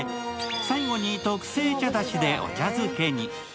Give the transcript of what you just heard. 最後に特製茶だしでお茶漬けに。